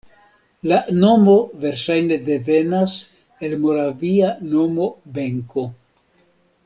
La nomo verŝajne devenas el moravia nomo Benko.